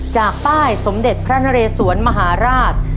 จากป้ายสมเด็จพระนเรสวนมหาราช